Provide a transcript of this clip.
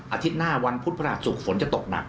อาทิตย์หน้าวันพุธพระราชศุกร์ฝนจะตกหนัก